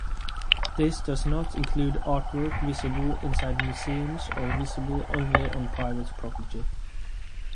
This does not include artwork visible inside museums or visible only on private property.